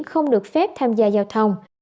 không được phép tham gia giao thông